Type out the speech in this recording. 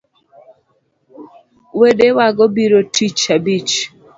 Wedewago biro tich abich